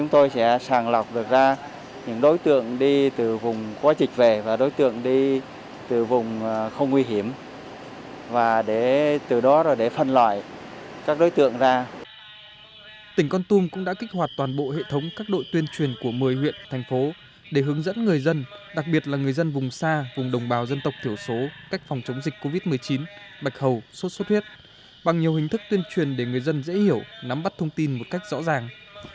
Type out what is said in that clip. tỉnh con tôm cũng đã kích hoạt toàn bộ hệ thống các đội tuyên truyền của một mươi huyện thành phố để hướng dẫn người dân đặc biệt là người dân vùng xa vùng đồng bào dân tộc thiếu số cách phòng chống dịch covid một mươi chín bạch hầu sốt xuất huyết bằng nhiều hình thức tuyên truyền để người dân dễ hiểu nắm bắt thông tin một cách rõ ràng